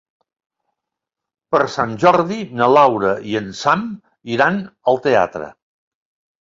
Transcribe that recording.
Per Sant Jordi na Laura i en Sam iran al teatre.